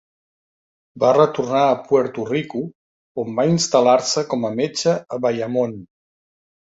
Va retornar a Puerto Rico, on va instal·lar-se com a metge a Bayamón.